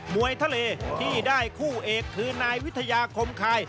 วยทะเลที่ได้คู่เอกคือนายวิทยาคมคาย